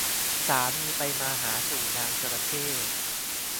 สามีไปมาหาสู่นางจระเข้